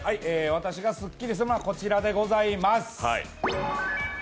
私がすっきりするものはこちらでございます。